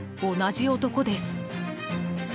同じ男です！